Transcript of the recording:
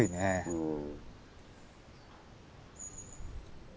うん。